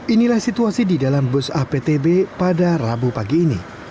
inilah situasi di dalam bus aptb pada rabu pagi ini